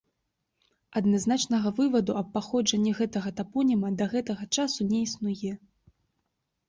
Адназначнага вываду аб паходжанні гэтага тапоніма да гэтага часу не існуе.